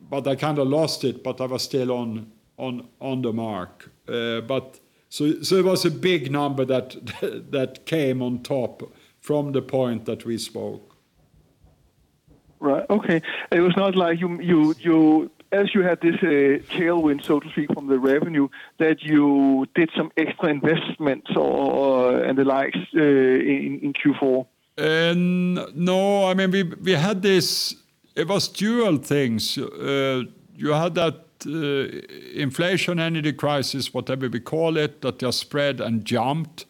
but I kind of lost it, but I was still on the mark. It was a big number that came on top from the point that we spoke. Right. Okay. It was not like you. As you had this tailwind, so to speak, from the revenue, that you did some extra investments or, and the likes, in Q4? No. I mean, we had this. It was dual things. You had that, inflation, energy crisis, whatever we call it, that just spread and jumped.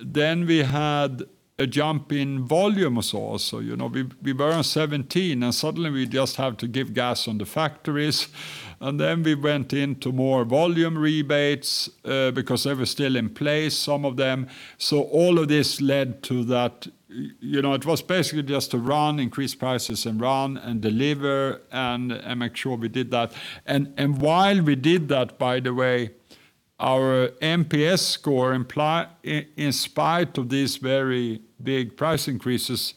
We had a jump in volumes also. You know, we were on 17, and suddenly we just have to give gas on the factories, and then we went into more volume rebates, because they were still in place, some of them. All of this led to that. You know, it was basically just a run, increase prices and run, and deliver, and make sure we did that. While we did that, by the way, our NPS score implying in spite of these very big price increases,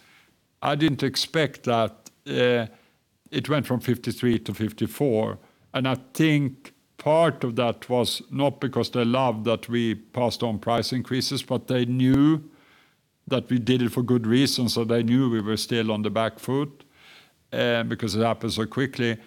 I didn't expect that, it went from 53 to 54. I think part of that was not because they loved that we passed on price increases, but they knew that we did it for good reasons, so they knew we were still on the back foot, because it happened so quickly.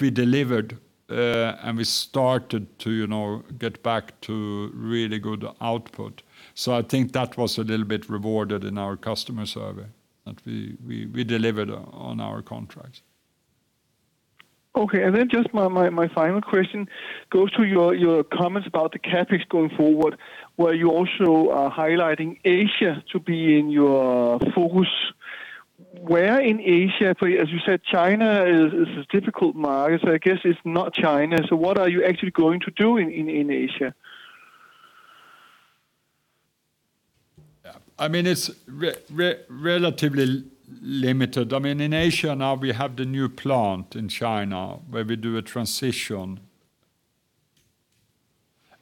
We delivered, and we started to get back to really good output. I think that was a little bit rewarded in our customer survey. That we delivered on our contracts. Okay. Just my final question goes to your comments about the CapEx going forward, where you also are highlighting Asia to be in your focus. Where in Asia? As you said, China is a difficult market, so I guess it's not China. What are you actually going to do in Asia? Yeah. I mean, it's relatively limited. I mean, in Asia now we have the new plant in China where we do a transition,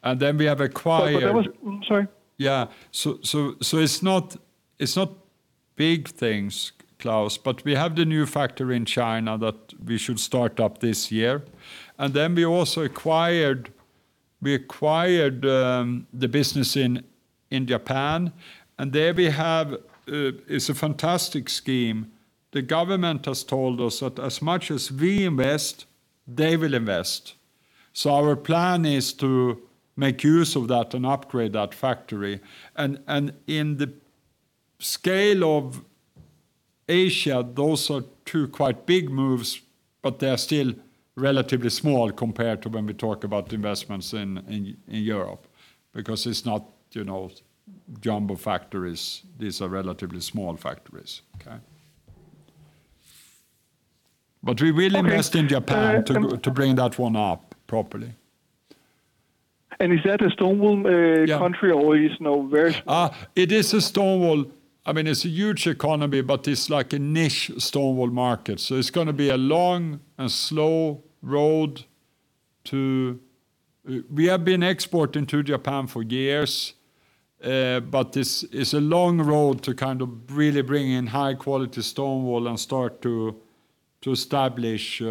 and then we have acquired- Sorry. Yeah. It's not big things, Klaus, but we have the new factory in China that we should start up this year. Then we also acquired the business in Japan, and there we have it's a fantastic scheme. The government has told us that as much as we invest, they will invest. Our plan is to make use of that and upgrade that factory. In the scale of Asia, those are two quite big moves, but they're still relatively small compared to when we talk about investments in Europe because it's not jumbo factories. These are relatively small factories. Okay. We really- Okay. Invest in Japan. Uh, and- to bring that one up properly. Is that a stone wool? Yeah. -country or is no very- It is a stone wool. I mean, it's a huge economy, but it's like a niche stone wool market, so it's gonna be a long and slow road to. We have been exporting to Japan for years, but this is a long road to kind of really bring in high quality stone wool and start to establish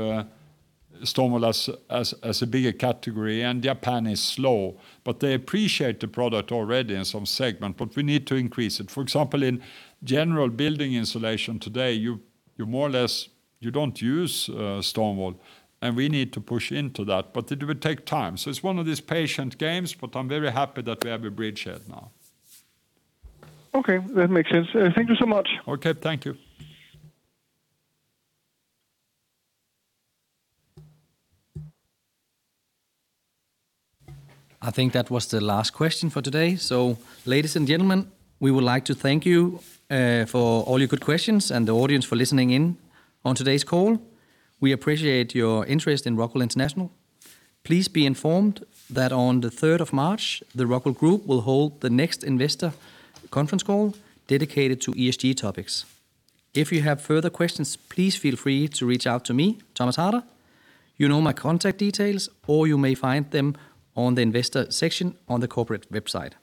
stone wool as a bigger category. Japan is slow, but they appreciate the product already in some segment, but we need to increase it. For example, in general building insulation today, you more or less, you don't use stone wool, and we need to push into that, but it will take time. It's one of these patient games, but I'm very happy that we have a bridgehead now. Okay, that makes sense. Thank you so much. Okay, thank you. I think that was the last question for today. Ladies and gentlemen, we would like to thank you for all your good questions and the audience for listening in on today's call. We appreciate your interest in ROCKWOOL International. Please be informed that on the third of March, the ROCKWOOL Group will hold the next investor conference call dedicated to ESG topics. If you have further questions, please feel free to reach out to me, Thomas Harder. You know my contact details, or you may find them on the investor section on the corporate website.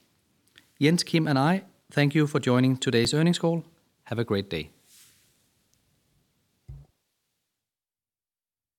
Jens, Kim, and I thank you for joining today's earnings call. Have a great day.